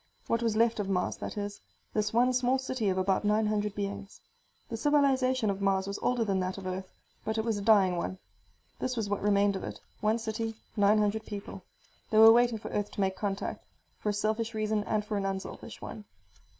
What was left of Mars, that is; this one small city of about nine hundred beings. The civilization of Mars was older than that of Earth, but it was a dying one. This was what remained of it: one city, nine hundred people. They were waiting for Earth to make contact, for a selfish reason and for an unselfish one.